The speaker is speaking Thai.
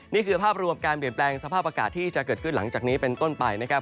นี่คือภาพรวมการเปลี่ยนแปลงสภาพอากาศที่จะเกิดขึ้นหลังจากนี้เป็นต้นไปนะครับ